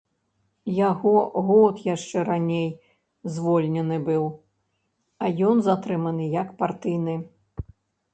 Яго год яшчэ раней звольнены быў, а ён затрыманы як партыйны.